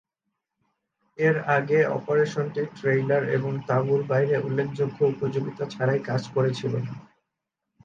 এর আগে অপারেশনটি ট্রেইলার এবং তাঁবুর বাইরে উল্লেখযোগ্য উপযোগিতা ছাড়াই কাজ করেছিল।